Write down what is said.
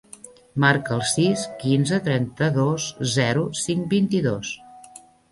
Marca el sis, quinze, trenta-dos, zero, cinc, vint-i-dos.